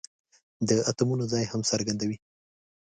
د اتومونو ځای هم څرګندوي.